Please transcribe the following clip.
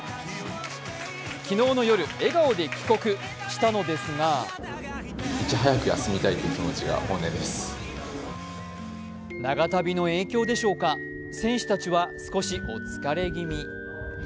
昨日の夜、笑顔で帰国したのですが長旅の影響でしょうか選手たちは少しお疲れ気味。